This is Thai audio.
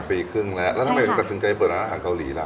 ปีครึ่งแล้วแล้วทำไมถึงตัดสินใจเปิดร้านอาหารเกาหลีล่ะ